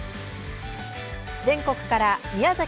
全国から宮崎